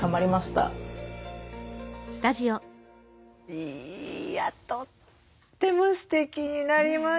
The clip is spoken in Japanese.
いやとってもステキになりましたよね。